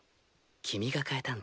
君が変えたんだ。